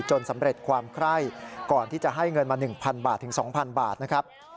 จนสำเร็จความใคร่ก่อนที่จะให้เงินมา๑๐๐๐๒๐๐๐บาทนะครับ